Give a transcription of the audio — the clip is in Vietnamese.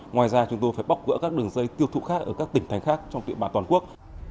ngoài ra chúng tôi phải bóc gỡ các đường dây tiêu thụ khác ở các tỉnh thành khác trong địa bàn toàn quốc